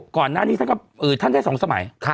ก่อนหน้านี้ท่านได้๒สมัย